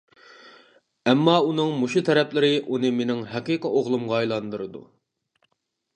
ئەمما ئۇنىڭ مۇشۇ تەرەپلىرى ئۇنى مېنىڭ ھەقىقىي ئوغلۇمغا ئايلاندۇرىدۇ.